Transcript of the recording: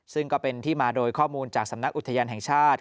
ซึ่งก็เป็นที่มาโดยข้อมูลจากสำนักอุทยานแห่งชาติ